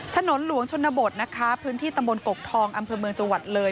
ถนนหลวงชนบทนะคะพื้นที่ตำบลกกทองอำเภอเมืองจังหวัดเลย